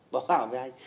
bỏ khẩu với anh